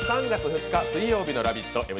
３月２日水曜日の「ラヴィット！」